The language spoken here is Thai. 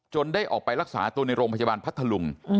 ได้ออกไปรักษาตัวในโรงพยาบาลพัทธลุง